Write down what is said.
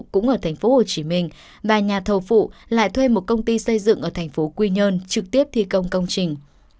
cũng ở thành phố hồ chí minh bà nhà thầu phụ lại thuê một công ty xây dựng ở thành phố quy nhơn trực tiếp thi công công trình